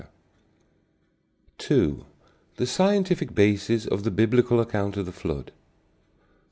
(2) The Scientific Basis of the Biblical Account of the Flood.